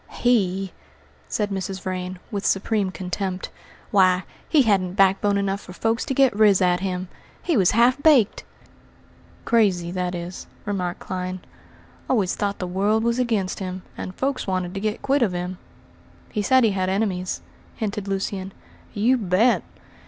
"He," said Mrs. Vrain, with supreme contempt, "why, he hadn't backbone enough for folks to get riz at him! He was half baked!" "Crazy, that is," remarked Clyne; "always thought the world was against him, and folks wanted to get quit of him." "He said he had enemies," hinted Lucian. "You bet!